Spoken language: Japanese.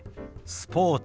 スポーツ。